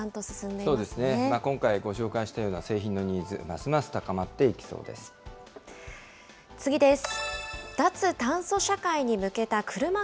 今回、ご紹介したような製品のニーズ、ますます高まっていきそうです。